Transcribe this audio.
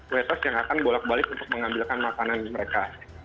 wholes yang akan bolak balik untuk mengambilkan makanan mereka